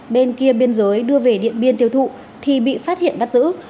bên kia biên giới đưa về điện biên tiêu thụ thì bị phát hiện bắt giữ